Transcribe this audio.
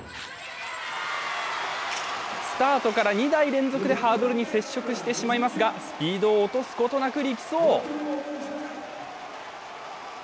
スタートから２台連続でハードルに接触してしまいますがスピードを落とすことなく力走。